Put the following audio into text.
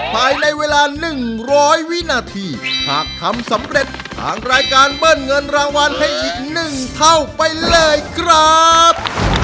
ภายในเวลา๑๐๐วินาทีหากทำสำเร็จทางรายการเบิ้ลเงินรางวัลให้อีก๑เท่าไปเลยครับ